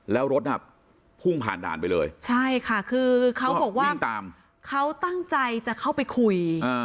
แล้วรถน่ะพุ่งผ่านด่านไปเลยใช่ค่ะคือเขาบอกว่าเขาตั้งใจจะเข้าไปคุย